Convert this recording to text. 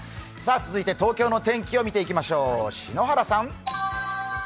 続いて東京の天気を見ていきましょう。